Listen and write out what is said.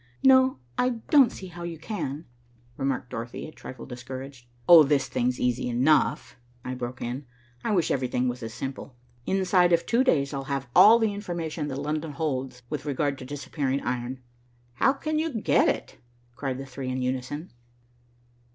"No, I don't see how you can," remarked Dorothy, a trifle discouraged. "Oh, this thing's easy enough," I broke in. "I wish everything was as simple. Inside of two days, I'll have all the information that London holds with regard to disappearing iron." "How can you get it?" cried the three in unison.